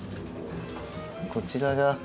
こちらが。